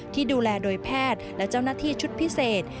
ที่ดูแลโดยแพทย์และเจ้าหน้าที่ชุดพิเศษ